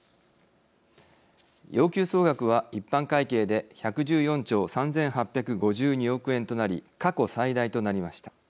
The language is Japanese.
要求総額は一般会計で１１４兆３８５２億円となり過去最大となりました。